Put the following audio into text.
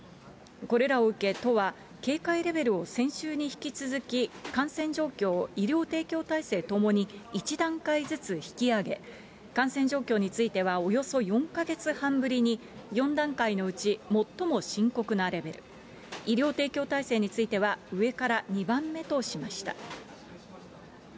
これらを受け、都は警戒レベルを先週に引き続き感染状況を医療提供体制ともに、１段階ずつ引き上げ、感染状況については、およそ４か月半ぶりに、４段階のうち最も深刻なレベル、医療提供体制については、上から２番目としました。